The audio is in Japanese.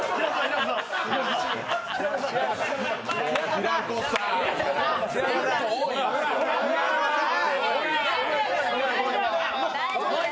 平子さーん。